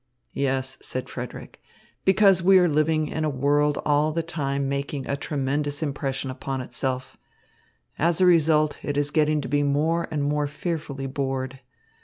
"Yes," said Frederick, "because we are living in a world all the time making a tremendous impression upon itself. As a result, it is getting to be more and more fearfully bored.